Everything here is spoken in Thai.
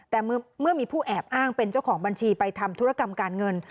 แต่เมื่อมีผู้แอบอ้างเป็นเจ้าของบัญชีไปทำธุรกรรมการเงิน